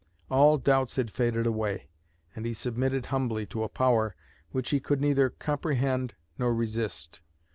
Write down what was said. All doubts had faded away, and he submitted humbly to a power which he could neither comprehend nor resist.